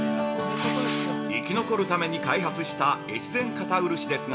◆生き残るために開発した越前硬漆ですが